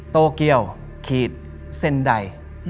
โตเกียวเซ็นได